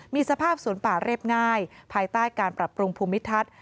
มีสภาพสวนป่าเรียบง่ายภายใต้การปรับปรุงภูมิทัศน์